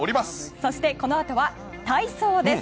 そしてこのあとは体操です。